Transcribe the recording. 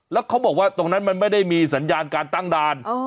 แล้วเขาบอกว่าตรงนั้นมันไม่ได้มีสัญญาณการตั้งด่าน